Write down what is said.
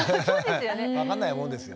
分かんないもんですよ。